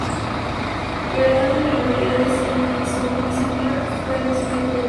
El alcalde de la localidad de Saint-Lary-Soulan, Vincent Mir, fue su principal propulsor.